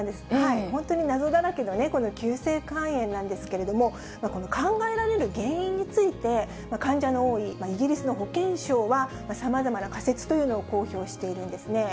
本当に謎だらけのこの急性肝炎なんですけれども、この考えられる原因について、患者の多いイギリスの保健省は、さまざまな仮説というのを公表しているんですね。